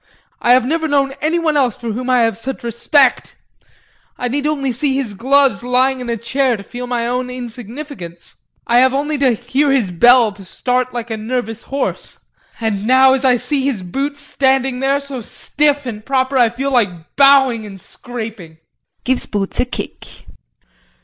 I have never known anyone else for whom I have such respect. I need only to see his gloves lying in a chair to feel my own insignificance. I have only to hear his bell to start like a nervous horse and now as I see his boots standing there so stiff and proper I feel like bowing and scraping. [Gives boots a kick].